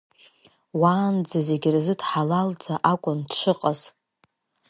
Уаанӡа зегь рзы дҳалалӡа акәын дшыҟаз.